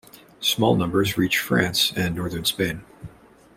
Small numbers reach France and northern Spain.